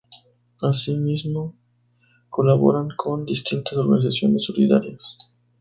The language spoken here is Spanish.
Asimismo, colaboran con distintas organizaciones solidarias.